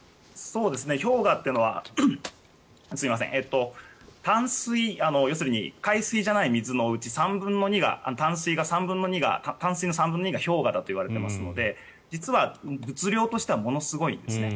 氷河というのは淡水、要するに海水じゃない水のうち淡水の３分の２が氷河だといわれていますので実は物量としてはものすごいんですね。